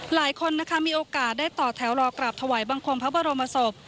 หลายคนนะคะมีโอกาสได้ต่อแถวรอกราบถวายบังคมพระบรมศพ